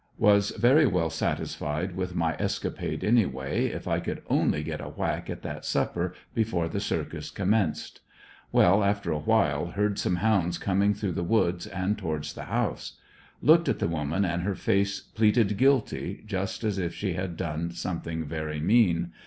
Was very well satisfied with 128 * ANDEB80NVILLE DIARY. my escapade anyway, if I could only get a whack at that supper before the circus commenced. Well, after a while heard some hounds coming through the woods and towards the house. Looked at the woman and her face pleaded guilty, just as if she had done something very mean.